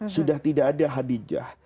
sudah tidak ada hadijah